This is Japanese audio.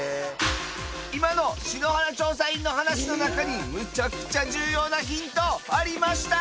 今の篠原調査員の話の中にむちゃくちゃ重要なヒントありました